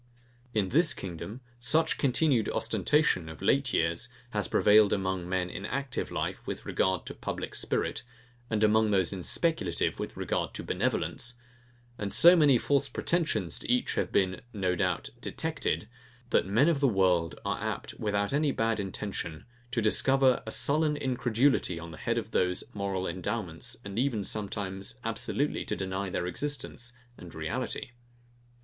In this kingdom, such continued ostentation, of late years, has prevailed among men in ACTIVE life with regard to PUBLIC SPIRIT, and among those in SPECULATIVE with regard to BENEVOLENCE; and so many false pretensions to each have been, no doubt, detected, that men of the world are apt, without any bad intention, to discover a sullen incredulity on the head of those moral endowments, and even sometimes absolutely to deny their existence and reality.